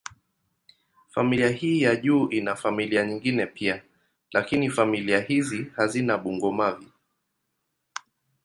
Familia hii ya juu ina familia nyingine pia, lakini familia hizi hazina bungo-mavi.